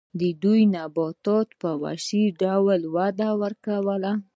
دې نباتاتو په وحشي ډول وده کوله.